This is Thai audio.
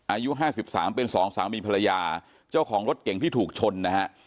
อายุห้าสิบสามเป็นสองสามีภรรยาเจ้าของรถเก่งที่ถูกชนนะฮะ